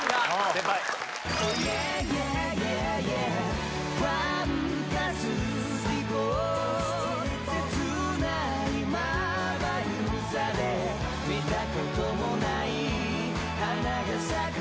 ・先輩切ない眩さで見たこともない花が咲く